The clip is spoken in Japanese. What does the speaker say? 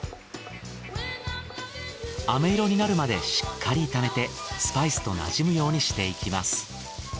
飴色になるまでしっかり炒めてスパイスとなじむようにしていきます。